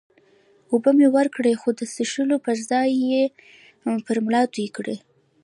اوبه مې ورکړې، خو ده د څښلو پر ځای پر ملا توی کړې.